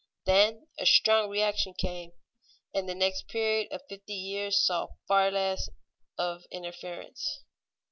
Then a strong reaction came, and the next period of fifty years saw far less of interference.